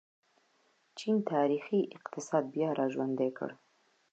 چین تاریخي اقتصاد بیا راژوندی کړ.